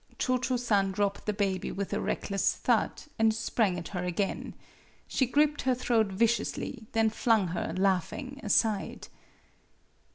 Cho Cho San dropped the baby with a reckless thud, and sprang at her again. She gripped her throat viciously, then flung her. laughing, aside.